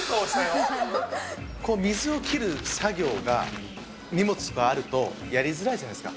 水を切る作業が、荷物とかあるとやりづらいじゃないですか。